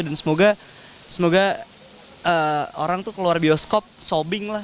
dan semoga orang tuh keluar bioskop sobbing lah